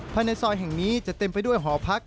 ภายในซอยแห่งนี้จะเต็มไปด้วยหอพัก